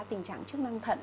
tình trạng chức năng thận